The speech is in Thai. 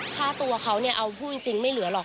ค่าตัวเขาเนี่ยเอาพูดจริงไม่เหลือหรอก